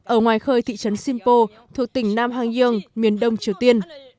ở ngoài khơi thị trấn simpo thuộc tỉnh nam hang yong miền đông triều tiên